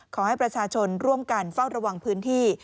ขอให้ประชาชนร่วมกันเฝ้าระวังพื้นที่